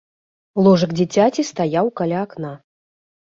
Ложак дзіцяці стаяў каля акна.